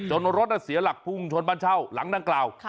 จนรถน่ะเสียหลักพุงชนบานเช่าหลังนั่งกล่าว